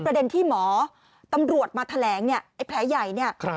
ประเด็นที่หมอตำรวจมาแถลงเนี่ยไอ้แผลใหญ่เนี่ย